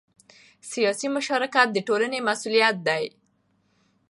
سیاسي مشارکت د ټولنې مسؤلیت دی